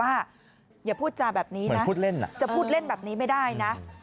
อย่าพูดจาแบบนี้นะจะพูดเล่นแบบนี้ไม่ได้นะ